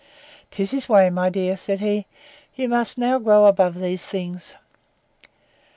—'Tis his way, my dear, said he; you must now grow above these things.